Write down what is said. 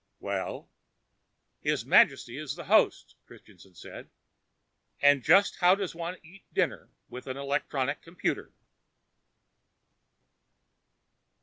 "Well?" "His Majesty is the host," Christianson said. "And just how does one eat dinner with an electronic computer?"